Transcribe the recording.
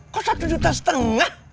kok satu juta setengah